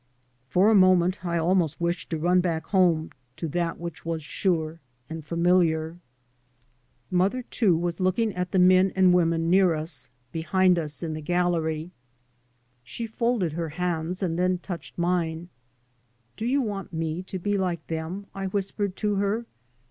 For a moment I almost wished to run back home, to that which was sure and familiar. 3 by Google MY MOTHER AND I Mother too was looking at the men and women near u3, behind us in the gallery. She folded her hands and then touched mine. " Do you want me to be like them? " I whispered to her.